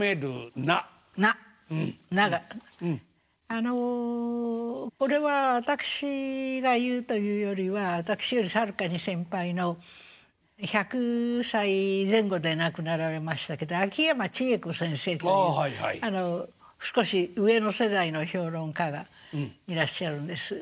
あのこれは私が言うというよりは私よりはるかに先輩の１００歳前後で亡くなられましたけど秋山ちえ子先生という少し上の世代の評論家がいらっしゃるんです。